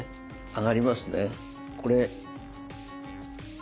上がりますねこれ。